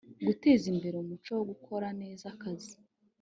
guteza imbere umuco wo gukora neza akazi